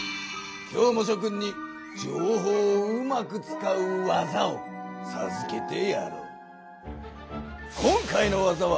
今日もしょ君に情報をうまく使う技をさずけてやろう。